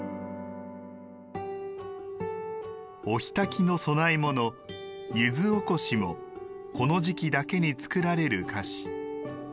お火焚きの供え物柚子おこしもこの時期だけに作られる菓子。